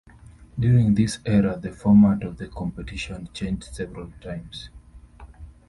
During this era, the format of the competition changed several times.